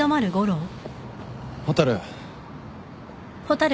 蛍。